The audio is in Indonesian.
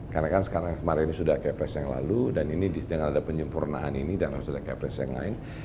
karena kan sekarang kemarin ini sudah ke press yang lalu dan ini dengan ada penyempurnaan ini dan sudah ke press yang lain